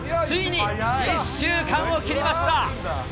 ついに１週間を切りました。